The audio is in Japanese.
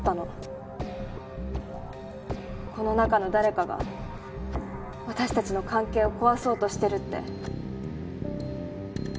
この中の誰かが私たちの関係を壊そうとしてるって。